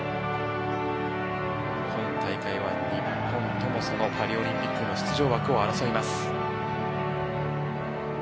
今大会は日本ともパリオリンピックの出場枠を争います。